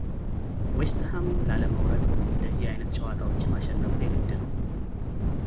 ዌስት ሃም ላለመውረድ እንደዚህ አይነት ጨዋታዎችን ማሸነፉ የግድ ነው።